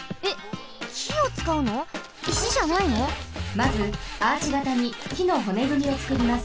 まずアーチがたにきのほねぐみをつくります。